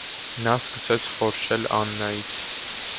Նա սկսեց խորշել Աննայից.